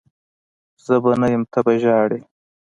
زه به نه یم ته به ژاړي